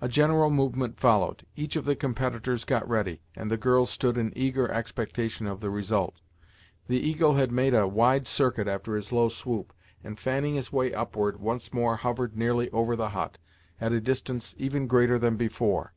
A general movement followed, each of the competitors got ready, and the girls stood in eager expectation of the result. The eagle had made a wide circuit after his low swoop, and fanning his way upward, once more hovered nearly over the hut, at a distance even greater than before.